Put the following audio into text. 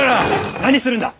何するんだ！